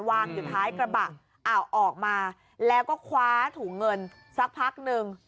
วางอยู่ท้ายกระบะอ้าวออกมาแล้วก็คว้าถุงเงินสักพักหนึ่ง